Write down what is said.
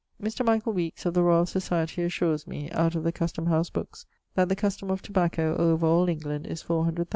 Mr. Michael Weekes of the Royall Societie assures me, out of the custome house bookes, that the custome of tobacco over all England is 400,000 _li.